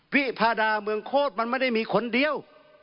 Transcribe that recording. ภาดาเมืองโคตรมันไม่ได้มีคนเดียว